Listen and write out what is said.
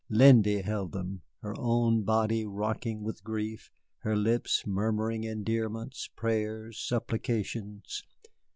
Lindy held them, her own body rocking with grief, her lips murmuring endearments, prayers, supplications.